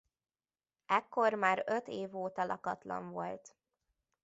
Ekkor már öt év óta lakatlan volt.